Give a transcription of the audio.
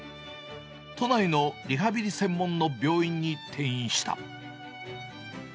都内のリハビリ専門の病院に転院した。